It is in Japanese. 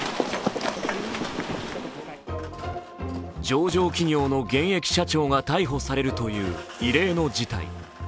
上場企業の現役社長が逮捕されるという異例の事態。